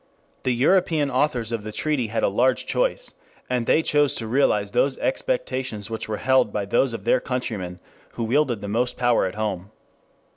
The European authors of the treaty had a large choice, and they chose to realize those expectations which were held by those of their countrymen who wielded the most power at home.